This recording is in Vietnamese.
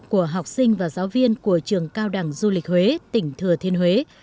của học sinh và giáo viên của trường cao đẳng du lịch huế tỉnh thừa thiên huế